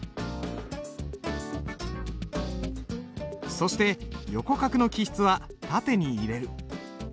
そして横画の起筆は縦に入れる。